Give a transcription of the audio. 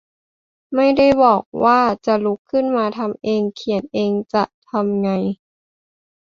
ไม่ได้บอกว่าจะลุกขึ้นมาทำเองเขียนเองจะทำไง